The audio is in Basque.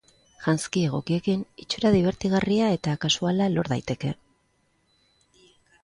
Janzki egokiekin itxura dibertigarria eta kasuala lor daiteke.